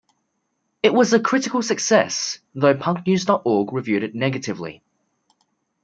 It was a critical success, though Punknews dot org reviewed it negatively.